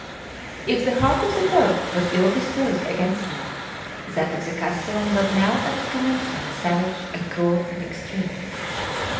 If the heart of the Pope was ill disposed against me, that of the castellan was now at the commencement savage and cruel in the extreme.